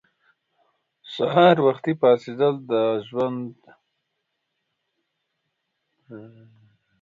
افغانستان د تالابونه په برخه کې نړیوال شهرت لري.